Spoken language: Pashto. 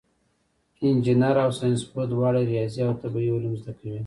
انجینر او ساینسپوه دواړه ریاضي او طبیعي علوم زده کوي.